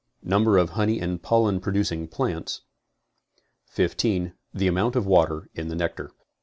Number of honey and pollen producing plants. 15. The amount of water in the nectar.